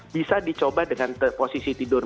bisa dicoba dengan posisi tidur